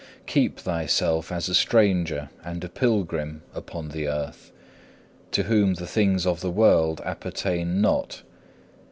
Keep thyself as a stranger and a pilgrim upon the earth, to whom the things of the world appertain not.